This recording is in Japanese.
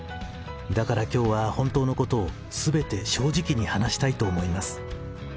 だからきょうは、本当のことを、すべて正直に話したいと思います。